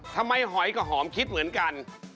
หอยกับหอมคิดเหมือนกัน